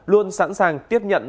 luôn sẵn sàng tiếp nhận